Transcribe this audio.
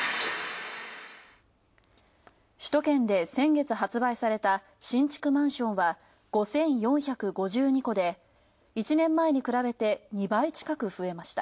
首都圏で先月発売された新築マンションは５４２５戸で、１年前に比べて２倍近く増えました。